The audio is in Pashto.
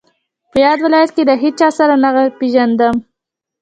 په یاد ولایت کې له هیچا سره نه پېژندم.